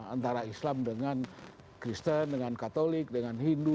antara islam dengan kristen dengan katolik dengan hindu